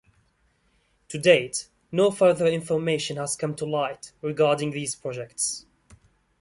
To date, no further information has come to light regarding these projects.